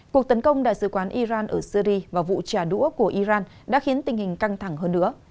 cuộc tấn công đại sứ quán iran ở syri vào vụ trả đũa của iran đã khiến tình hình căng thẳng hơn nữa